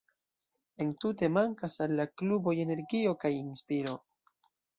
Entute, mankas al la kluboj energio kaj inspiro.